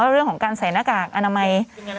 เรื่องของการใส่หน้ากากอนามัย